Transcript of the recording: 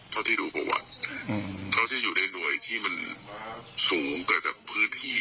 เท่าที่ดูประวัติเขาจะอยู่ในหน่วยที่มันสูงกระจับพื้นที